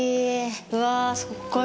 うわぁ、すっごい